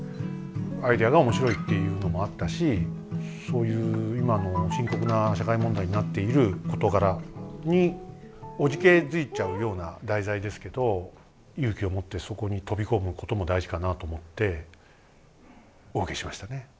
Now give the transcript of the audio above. アイデアが面白いっていうのもあったしそういう今の深刻な社会問題になっている事柄におじけづいちゃうような題材ですけど勇気を持ってそこに飛び込むことも大事かなと思ってお受けしましたね。